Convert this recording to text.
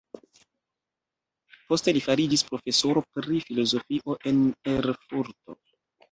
Poste li fariĝis profesoro pri filozofio en Erfurto.